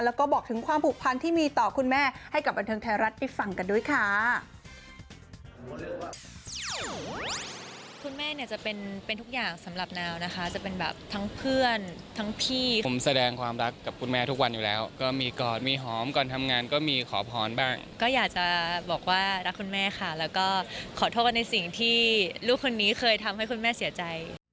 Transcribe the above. แล้วก็บอกถึงความผูกพันที่มีต่อคุณแม่ให้กับบันเทิงไทยรัฐไปฟังกันด้วยค่ะ